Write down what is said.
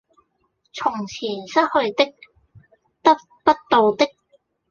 從前失去的、得不到的